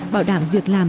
bảo đảm việc làm